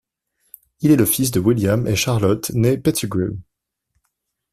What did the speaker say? Il est le fils de William et de Charlotte née Pettigrew.